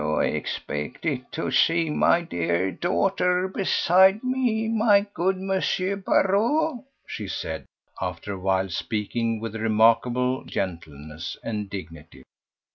"You expected to see my dear daughter beside me, my good M. Barrot," she said after a while speaking with remarkable gentleness and dignity.